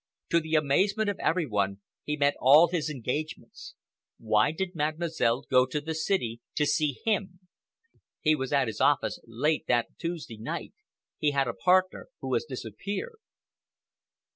To the amazement of every one, he met all his engagements. Why did Mademoiselle go to the city to see him? He was at his office late that Tuesday night. He had a partner who has disappeared."